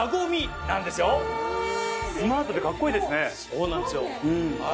そうなんですよ。